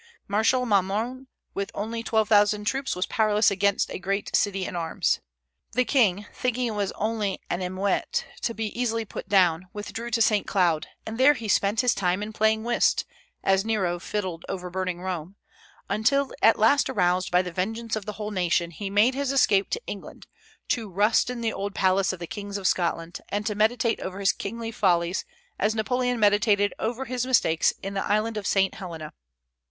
Marshal Marmont, with only twelve thousand troops, was powerless against a great city in arms. The king thinking it was only an émeute, to be easily put down, withdrew to St. Cloud; and there he spent his time in playing whist, as Nero fiddled over burning Rome, until at last aroused by the vengeance of the whole nation, he made his escape to England, to rust in the old palace of the kings of Scotland, and to meditate over his kingly follies, as Napoleon meditated over his mistakes in the island of St. Helena.